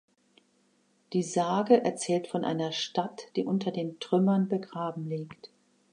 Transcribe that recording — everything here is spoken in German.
Die Sage erzählt von einer Stadt, die unter den Trümmern begraben liegt.